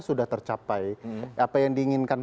sudah tercapai apa yang diinginkan